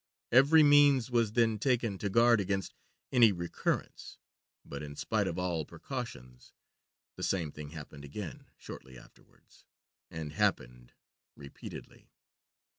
Every means was then taken to guard against any recurrence, but in spite of all precautions the same thing happened again shortly afterwards; and happened repeatedly.